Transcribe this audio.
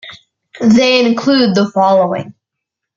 They include the following.